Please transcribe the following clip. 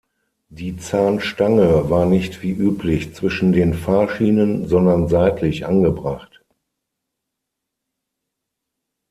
Die Zahnstange war nicht wie üblich zwischen den Fahrschienen, sondern seitlich angebracht.